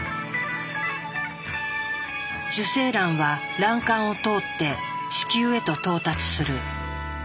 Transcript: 受精卵は卵管を通って子宮へと到達する。